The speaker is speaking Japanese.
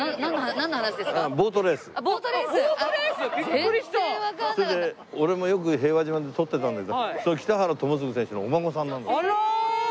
それで俺もよく平和島で取ってたんだけど北原友次選手のお孫さんなんだって。